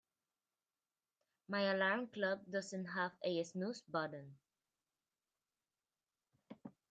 My alarm clock doesn't have a snooze button.